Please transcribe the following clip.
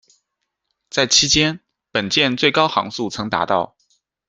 在期间，本舰最高航速曾达到。